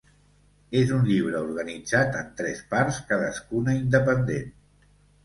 És un llibre organitzat en tres parts, cadascuna independent.